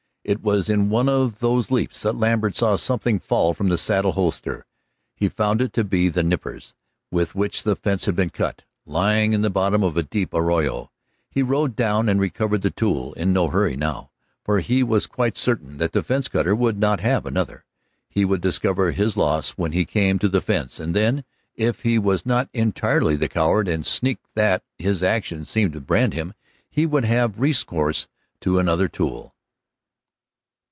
It was in one of these leaps that Lambert saw something fall from the saddle holster. He found it to be the nippers with which the fence had been cut, lying in the bottom of the deep arroyo. He rode down and recovered the tool, in no hurry now, for he was quite certain that the fence cutter would not have another. He would discover his loss when he came to the fence, and then, if he was not entirely the coward and sneak that his actions seemed to brand him, he would have recourse to another tool.